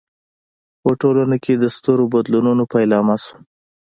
په ټولنه کې د سترو بدلونونو پیلامه شوه.